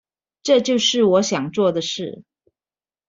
這就是我想做的事